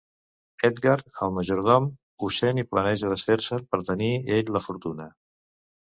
Edgar, el majordom, ho sent i planeja desfer-se'n per tenir ell la fortuna.